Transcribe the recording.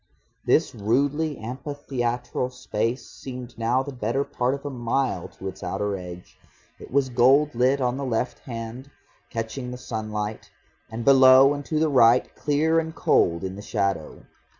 This rudely amphitheatral space seemed now the better part of a mile to its outer edge. It was gold lit on the left hand, catching the sunlight, and below and to the right clear and cold in the shadow.